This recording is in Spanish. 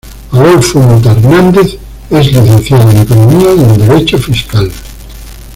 Adolfo Mota Hernández es licenciado en economía y en derecho fiscal.